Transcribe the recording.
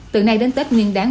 từ nay đến tết nguyên đáng